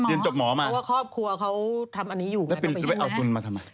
เดี๋ยวจบหมอมาแล้วไปเอาทุนมาทำไม